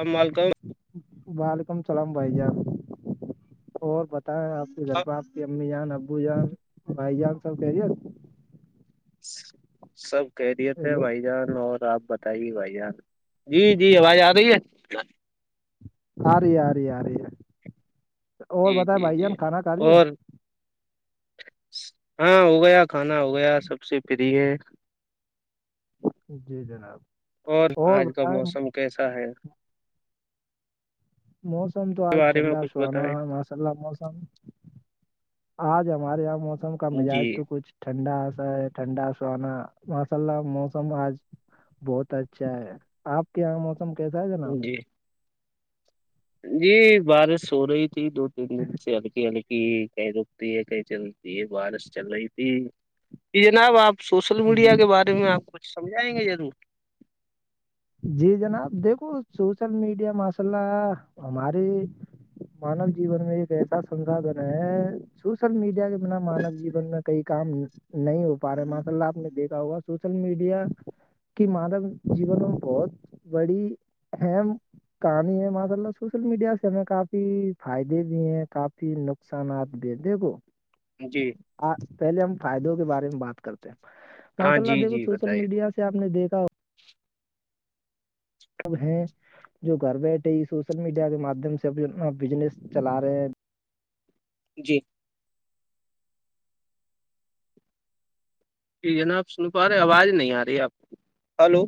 اب مالکاؤ وعلیکم اللام بھائی جان اور ب تا ہے آپ کے گھر پا آپ کی امی جان ابو جان بھائی جان سب کہہرییے سب کہہ دییے تھے ہیلو بھائی جان اور آپ بتائیے بھائی جان جی جی آواز آ رہی ہے آ رہی آ رہی آ رہی اور جی بت جی بھائی جان جی کھانا کھا لیا اور ہاں ہو گیا کھانا ہو گیا سب سے پری ہے جی جناب اور آج کا موسم کیسا ہے موسم تو کے آج بارے میں ٹھنڈا کچھ سوہناا بتائیں ماشاءلہ موسم آج ہمارے یہاں موسم کا جی مزاج تو کچھ ٹھنڈاسا ہے ٹھنڈا ساوناا ماشاء اللہ موسم آج بہت اچھا ہے آپ کے یہاں موسم کیسا ہے جناب جی جی بارش ہو رہی تھی دو تین دن سے ہلکی ہلکی کہ کہیں رکتی ہے کہیں چلتی ہے بارش چل رہی تھی یہ جناب آپ سوشل جی میڈیا کے بارے میں آپ کچھ سمجھائیں گے ضرور جی جناب دیکھو سوشل میڈیا ماشءلہ ہماریے مانو جیون میں ایک ایسا سساھن ہے سوشل میڈیا کے بنا مانو جین میں کئی کام نہیں ہو پا رہے ماشاء اللہ آپ نے دیکھا ہوگا سوشل میڈیا کہ مانو جیون میں بہت بڑی ام کہانی ہے ماشاء اللہ سوشل میڈیا سے ہمیں کافی فائدے بھی ہیں کافی ن سنات بھید کو جی آ پہلے ہم فائدوں کے بارے میں بات کرتے ہیں ہاں ماشاء اللہ جی دیکھو جی سوشل بتائیے میڈیا سے سے آ نے دیکھا ہو س ہیں جو گھر بیٹھے ہی سوشل میڈیا کے مادھیم سے ا اپ بجنس چلا رہے ہیں جی ج جناب سن پا رہے آواز نہیں آ رہی آپ ہلو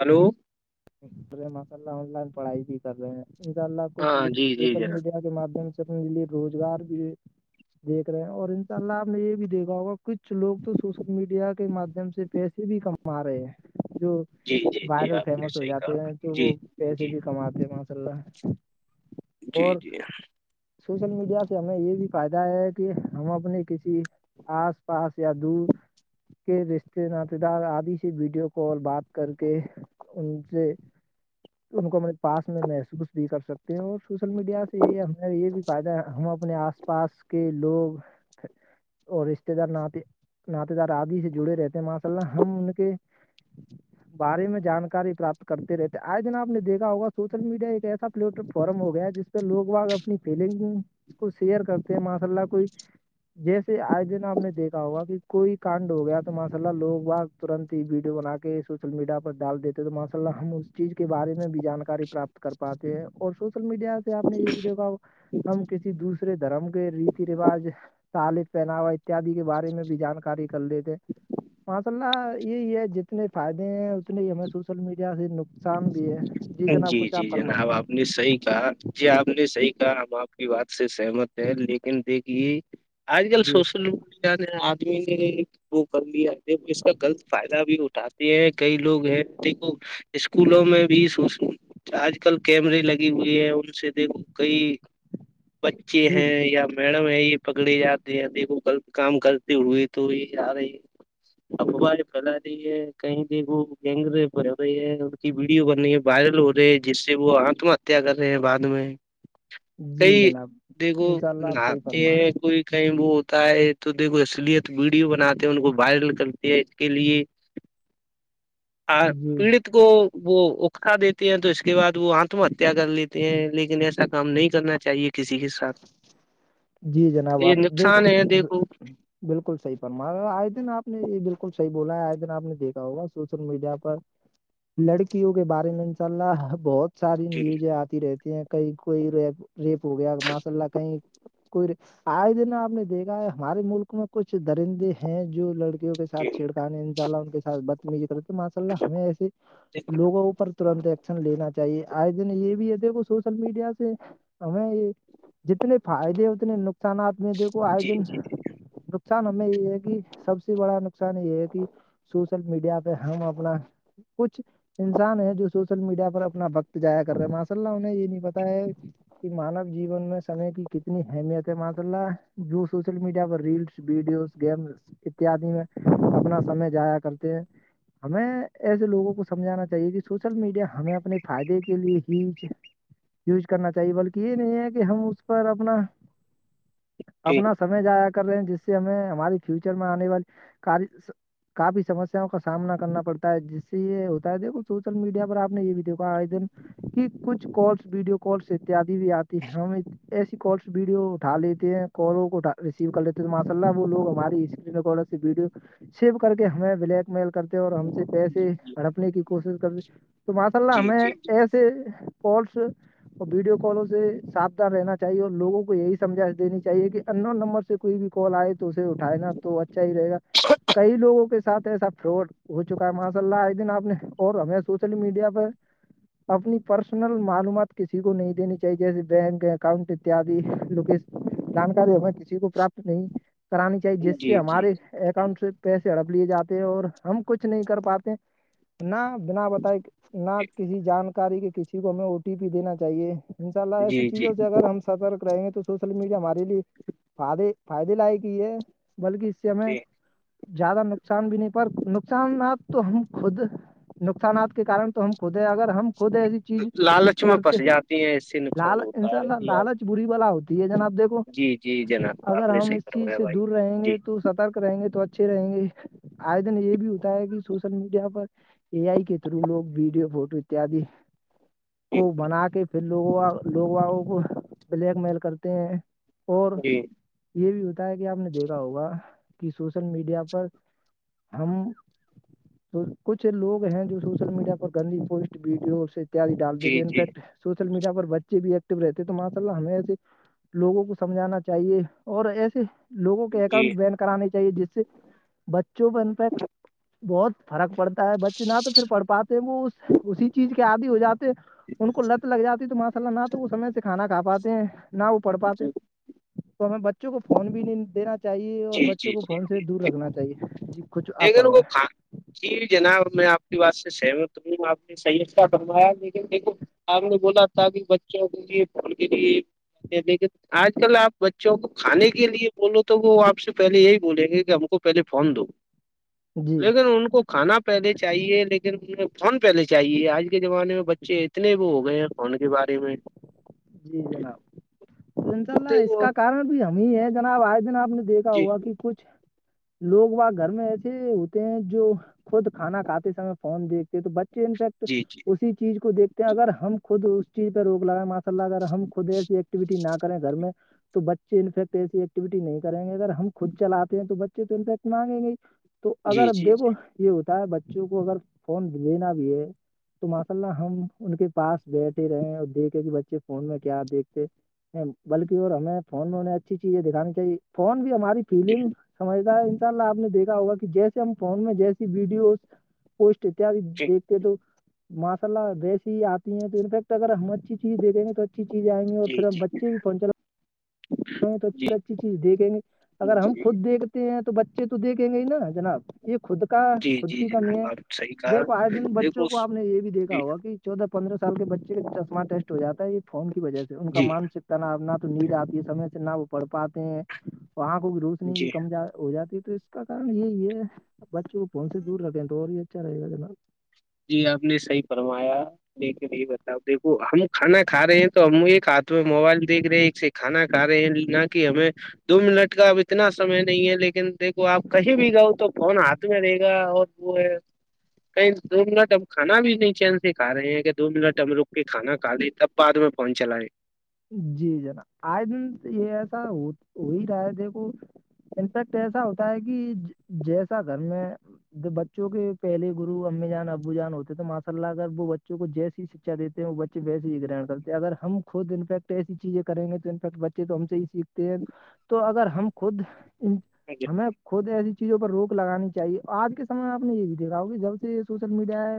ہلو ماشاء اللہ آن لائن پڑھائی بھی کر رہے ہیں ان شاء اللہ کچھ ہاں لوگ جی جی سوشل جناب میڈیا کے ماددھیم سے سنے لیے روزگار بھی دیکھ رہے ہیں اور ان شاء اللہ آپ نے یہ بھی دیکھا ہوگا کچھ لوگ تو سوشل میڈیا کے مادھیم سے پیسے بھی کما مارے جو جی جی جی وائرل آپ نے فیمس ہو صحیح کہا ہیں تو جی وہ پیسے جی بھی کماتے ہیں ماشاء اللہ جی اور جی سوشل میڈیا سے ہمیں یہ بھی فائدہ ہے کہ ہم اپنی کسی آس پاس یا دور کے رشتے ناات دار آدی سے ویڈیو کال بات کر کے ان سے ان کو اپے پاس میں محسوس بھی کر سکتے اور سوشل میڈیا سے یہ ہمیں یہ بھی فائد ہے ہم اپنے آس پاس کے لوگ اور رشتے دار ن پ ناط دار آادی سے جڑے رہتے ہیں ماشا اللہ ہم ان کے بارے میں جانکاری پراپت کرتے رہتے آئے جن آپ نے دیکا ہوگا سوشل میڈیا ایک ایسا پلیٹٹ فارم ہو گیا ہے جس پہ لوگا اپنی فیلنگ کو شیئر کرتے ہیں ماشاء اللہ کوئی جیسے آج دن آپ نے دیکھا ہوگا کہ کوئی کانڈ ہو گیا تو ماشاء اللہ لوگ با ترنت ہی ویڈیو بنا کے سوشل میڈیا پر ڈال دیتے تو ماں اصل ہم اس چیز کے بارے میں بھی جانکاری پراپت کر پاتے ہیں اور سوشل میڈیا سے آپ نے یہ بھی دیکھا ہم کسی دوسرے دھرم کے ریتی رواج سالب پہناوا اتیادی کے بارے میں بھی جانکاری کر لیتے ماشا اللہ یہی ہے جتنے فائدے ہیں اتنے ہی ہمیں سوشل میڈیا سے نقصان بھی ہے جناب جی کچھ آپ جی فرمائیں جناب آپ آ نے صحیح کہا جی آپ نے صحیح کہا ہم آپ کی بات سے سہمت ہے لیکن دیکھیے آج کل جی سوشل میڈیا نے آدمی نے وہ کر لیا اس کا غلط فائدہ بھی اٹھاتے ہیں کئی لوگ ہیں د اسکولوں میں بھی س آج کل کیمرے لگے ہوئے ہے ان سے دیکھو کئی بچے جی ہیں یا میڈم یہ یہ پکڑی جاتی ہے د غلط کام کرتی ہوئی تو یہ آ رہی افباج پھیلا رہی ہے کہیں د وہ گینگ بھر رہی ہے ان کی ویڈیو بن رہی ہے وائرل ہو رہے ہے جس سے وہ آتم ہتیا کر رہے ہیں بعد میں جی کئی جناب دیکھو انشاء اللہ آپ صحیح ناتے فرما رہے ہیں کوئی کہیں وہ ہوتا ہے تو دیکھو اصلیت ویڈیو بناتے ان کو وائرل کرتی ہے اس کے لیے [inaudible] ہاں ہیں۔ جی پیڑت کو وہ کھا دیتے ہیں تو اس کے بعد وہ آتم ہتیا کر لیتے ہیں لیکن ایسا کام نہیں کرنا چاہیے کسی کے ساتھ جی جناب یہ آپ دیکھو نقصان ہے دیکھو بالکل صحیح پرمار آئے دن آپ نے یہ بالکل صحی بولا ہے آئے دن آپ نے دیکھا ہوگا سوشل میڈیا پر لڑکیوں کے بارے میں انشاء اللہ بہت ساری ٹھیک نیوزیں آتی رہتی ہیں کہیں کوئی ری ریپ ہو گیا ماشاء اللہ کہیں کوئی آئے دن آپ نے دیکھا ہے ہمارے ملک میں کچھ درندے ہیں جو لڑکے کے سھ جی چھڑکانے ان شاءلہ ان کے سھ ب کر ماشاء اللہ ہمیں ایسے جی لووںوپر ترنت ہے ن لینا چاہیے آج دن یہ بھی ہے دیکھو سوشل میڈیا سے ہمیں یہ جتنے فائدے ہیں اتنے نقصانات میں دیکھو آئے جی دن نقصان ہمیں یہ ہے کہ سب سے بڑا نقصان یہ ہے کہ سوشل میڈیا پہ ہم اپنا کچھ انسان ہے جو سوشل میڈیا پر اپنا وقت جایا کر رہے ہیں ماشا اللہ انہیں یہ نہیں پتا ہے کہ مانو جیون میں سمے کی کتنی اہمیت ہے مش اللہ جو سوشل میڈیا پر ریلس ویڈیوز گیمس اتیادی میں اپنا سمے جایا کرتے ہیں ہمیں ایسے لوگوں کو سمجھانا چاہیے کہ سوشل میڈیا ہمیں اپنے فائدے کے لیے ہی یوز کرنا چاہیے بلکہ یہ نہیں ہے کہ ہم اس پر اپنا جی اپنا سمے جایا کر رہے ہیں جس سے ہمیں ہماری فیوچر میں آنے والی ک کافی سمسیاں کا سامنا کرنا پڑتا ہے جس سے یہ ہوتا ہے دیکھو سوشل میڈیا پر آپ نے یہ بھی دیکھا آئے دن- کہ کچھ کالس ویڈیو کالس اتیادی بھی آتی ہے ہمیں- ایسی کالس ویڈیو اٹا لیتے ہیں کالوں کو ریسیو کر لیتے ہیں تو ماشاء اللہ وہ لوگ ہماری اسکرین ک- ویڈیو شپ کر کے ہمیں بلیک میل کرتے اور ہم سے پیسے جی اڑپنے کی کوشش کرتے- تو ماشاء اللہ جی ہمیں ایسے کالس اور ویڈیو کالوں سے- ساابدان رہنا چاہیے اور لووں کو یہی سمھا دی چاہیے کہ انو نمبر سے کوئی بھی کال آئے تو اسے اٹھائےا- تو اچھا ہی رہے گا- کئی لوگوں کے ساتھ ایسا فراڈ ہو چکا ہے ماشاء اللہ ایک دن آپ نے اور ہمیں سوشل میڈیا پ- اپنی پرسنل معلومات کسی کو نہیں دینی چاہیے جیسے- بینک اکاؤنٹ اتد لوک جانکاری ہے- کو پراپت نہیں کرانی چاہیے جس سے جی ہمارے- اکاؤنٹ سے پیسے ہڑپ لیے جاتے ہیں اور ہم کچھ نہیں کر پاتے نہ- نہ بتائی نہ کسی جانکاری کے کسی کو ہمیں او ٹی پی دینا چاہیے ان شاء اللہ ای- جی جی اگر ہم سترک رہیں گے تو سوشل میڈیا ہمارے لیے فدے فائدے لائق ہی ہے- بلکہ اس سے ہمیں جی زیادہ نقصان بھی نہیں پ نقصانات تو ہم خود- نقصانات کے کار تو ہم خود ہیں اگر ہم خود ای- لالچ میں پنس جاتی ہیں اس سے نقصان ہوتا ہے- انا کہ آپ لالچ بری والا ہوتی ہے جنا آپیکھ- جی جی جناب اگر آپ نے ہم صحیح اس چیز کروایا سے بھائی دور رہیں جی گے تو سترک رہیں گے تو اچھے رہیں گے- آئے دن یہ بھی ہوتا ہے کہ سوشل میڈیا پر- اے آئی کے تھرو لوگ ویڈیو فوٹو اتیاد کو بنا کے پھر لوگوں- لوگوگوں کو بلیک میل کرتے ہیں اور جی یہ بھی ہو- ہے کہ آپ نے دیکھا ہوگا کہ سوشل میڈیا پر ہم- تو کچھ لوگ ہیں جو سوشل میڈیا پر گندی پوسٹ ویڈیو سے- جی ڈالتےے جی انفیکٹ سوشل میڈیا پر بچ- ب بھی ایکٹو رہتے تو ماشاء اللہ ہمیں ایسے لوگوں کو سمجھانا چاہیے اور ایسے- لووں کے جی جی اکانٹ بین کرانی چاہیے جس سے بچوں کو ان پ بہت فرق پڑتا- بچے نہ تو پھر پڑھ پاتے ہیں وہ اسی چیز کے آدی ہو جاتے ہیں ان کو لت لگ جاتی ہے تو وہاں سے- نہ تو وہ سمج سے کھانا کھ پاتے ہیں نہ وہ پڑھ پاتے- تو ہمیں بچوں کو فون بھی نہیں دینا چاہیے اور جی بچوں جی کو جی فن سے جی دور رکھنا چاہیے جی کچھ لیکن اپرم وہ ہے- کھا جی جناب میں آپ کی بات سے سہمت رہوں آپ نے سحیتا بنوایا لیکن دیکھو- آپ نے بولا تھااک بچوں کے لیے پول کے لیے لیکن آج کل آپ بچوں کو کھانے کے لیے بولو تو وہ آپ- سے پہلے یہی بولیں گے کہ ہم کو پہلے فون دو جی لیکن ان کو کھانا پ پہلے چاہیے لیکن فون پہلے چاہیے آج کے زمانے میں بچے اتنے وہ ہو گئے ہیں فون کے بارے میں- جی جناب تو انشاء اللہ اس وہ کا کارن بھی ہم ہی ہے جناب آئے دن آپ نے دیکھ- ا جی ہوا کہ کچھ لوگ و گھر میں ایسے ہوتے ہیں جو خود کھانا کھاتے سمے فون دیک- تو بچے انفیکٹ جی جی اسی چیز کو دیکھتے ہیں اگر ہم خود اس چیز پہ روک لگا م- لہ اگر ہم خود ایسی ایکٹیویٹی نہ کریں گھر میں تو بچے انفیکٹ ایسی ایکٹیویٹی نہیں کریں گے اگر ہم خود چلے ہیں تو بچے تو انفیکٹ مانگ گ ہی- تو اگر جی اب جی دیکھو یہ ہوتا ہے بچوں کو اگر فون دینا بھی ہے- تو ماشاء اللہ ہم ان کے پاس بیٹھے رہے ہیں اور دیکھے کہ بچے فون میں کیا دیکھتے بلکہ اور ہمیں فون میں انہیں اچھی چیزیں دکھانی چاہیے فون بھی ہماری جی فیلگ سمجھتا ہے ان شاء اللہ آپ نے دیکھا ہوگا کہ جیسے ہم فون میں جیسی ویڈیوز پوٹ اتد جی دیکھتے تو ماشاء اللہ ویسے ہی آتی ہیں تو انفیکٹ اگر ہم اچھی چیز دیکھیں گے تو اچھی چیزیں آئ گی اور جی پھر ہم جی بچے بھیہنا ل ہ تو اچھی جی سے اچھی چیز دیکھیں گی اگر جی ہم خود دیکھ ہیں تو بچے تو دیکھیں گے ہی نا جناب یہ خود کا جی خود جی کی کمی ہے جناب آپ صحیح کہا دیکھو آج دن بچوں دیکھو کو آپ نے یہ بھی دیکھا ہوگا کہ چودہ پندرہ سال کے بچے کا چشمہ ٹیسٹ ہو جاتا ہے یہ فون کی وجہ سے ان کا جی مان اتنا نہ تو نیند آتی ہے سمے سے نہ وہ پڑھ پاتے ہیں [unintelligible] وہاں کو روشنی بھی جی کم ہو جاتی ہے تو کا کن یہی ہے بچوں کو فون سے دور رکھے تو اور یہ اچھا رہے گا ج ن جی آپ نے صحیح فرمایا دیکھ یہی بتاؤ دیکو ہم کھانا کھ رہے ہیں تو ہم ایک ہاتھ میں موبائل دیکھ رہے ایک سے تھھان کار ہے نہ کی ہمیں [unintelligible] دو منٹ کا اب اتنا سمے نہیں ہے لیکن دیکھو آپ کہیں بھی گاؤ تو فون ہاتھ میں رہے گا اور وہ ہے کئی [unintelligible] دو منٹ ہم کھا بھی ن چین سے کھ رہے ہیں کہ دو منٹ ہم رک کے کھانا کا لے تب بعد میں پہنچ چلا ہے جی جناب آئے دن یہ ایسا ہو ہی رہا ہے دیکھو انفیکٹ ایسا ہوتا ہے کہ جیسا گھر میں ج بچوں کے پہلے گرو اممی جان ابو جان ہوتے تو ماشاء اللہ اگر وہ بچوں کو جیسی دیتے ہیں وہ بچے ویسے ہی گرہ کرتے اگر ہم خود ان ٹ ایسی چیزیں کریں گے تو انفیکٹ بچے تو ہم سے ہی سیکھتے ہیں تو اگر ہم خود جے [unintelligible] ہمیں خود ایسی چیزوں پر روک لگانی چاہیے آج کے سمے میں آپ نے یہ بھی دیکھا ہو کہ جب سے یہ سوشل میڈیا ہے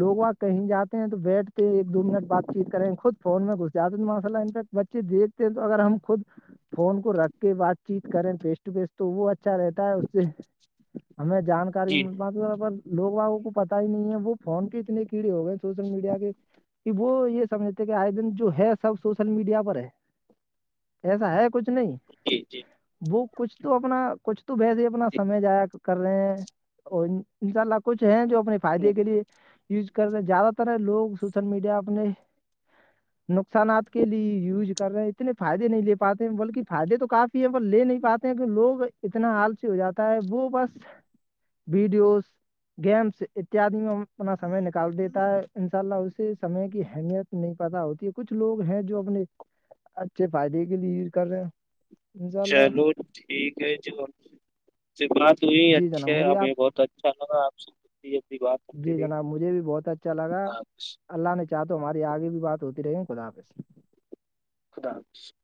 لوگ وہ کہیں جاتے ہیں تو بیٹھ کے ایک دو منٹ بات چیت کریں خود فون میں گھس جاتے ہیں تک بچے دیکھتے تو اگر ہم خود [unintelligible] فون کو رکھ کے بات چیت کریں فیس ٹو فیس تو وہ اچھا رہتا ہے اس سے ہمیں جی جانکاریات لوگ وگوں کو پتا ہی نہیں ہے وہ فون کے اتنے کیڑے ہو گئے سوشل میڈیا کے کہ وہ یہ سمجھتے کہ آئے دن جو ہے سب سوشل میڈیا پر ہے ایسا ہے کچھ نہیں جی جی وہ کچھ تو اپنا کچھ تو بہس ہی اپنا سمے جایا کر رہے ہیں اور ان شاء اللہ کچھ ہے جو اپنے جی فائدے کے لیے یوز کر رہ ہیں زیادہ تر لوگ سوشل میڈیا اپنے نقصانات کے لیے یوز کر رہے ہیں اتنے فائدے نہیں لے پاتے ہیں بلکہ فائدے تو کافی ہیں پر لے نہیں پاتے ہیں کہ لوگ اتنا حال سے ہو جاتا ہے وہ بس ویڈیوز گیمس اتیادی میں اپنا سمے نکال دیتا ہے ان شاء اللہ اسی سمے کی اہمیت نہیں پتا ہوتی ہے کچھ لوگ ہیں جو اپنے اچھے فائدے کے لیے یز کر رہے ہیں انشاءاللہ چلو ٹھیک ہے جو سے بات تو ہی جی جناب اچھے مجھے آپ ہمیں بہت اچھا لگا آپ سےنی بات ہوتی رہی چ لگا اللہ حافظ اللہ نے چاہ تو ہماری آگے بھی بات ہوتی رہی خدا سے خدا حافظ [unintelligible]